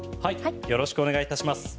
よろしくお願いします。